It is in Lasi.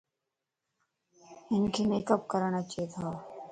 ھنک ميڪ اب ڪرڻ اچي تو